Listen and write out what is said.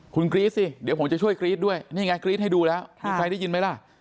คุณกรี๊ดสิเดี๋ยวผมจะช่วยกรี๊ดด้วยนี่ไงกรี๊ดให้ดูแล้วมีใครได้ยินไหมล่ะ